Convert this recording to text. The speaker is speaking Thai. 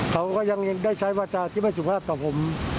เขาก็ยังได้ใช้วาจาที่ไม่สุภาพต่อผม